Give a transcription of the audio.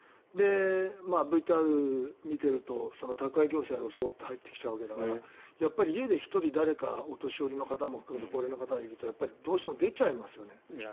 ＶＴＲ見てると、宅配業者を装って入ってきたわけだからやっぱり、家で１人誰かお年寄りの方を含めて高齢の方がいるとどうしても出ちゃいますよね。